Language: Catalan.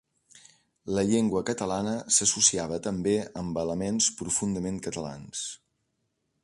La llengua catalana s'associava també amb elements "profundament" catalans.